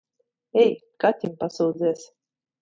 Ej, kaķim pasūdzies.